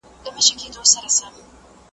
«آن نموشه!»